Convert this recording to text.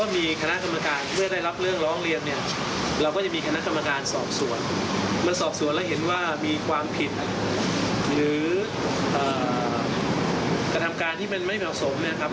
มันสอบสวนแล้วเห็นว่ามีความผิดหรือกระทำการที่มันไม่เหมาะสมเนี่ยครับ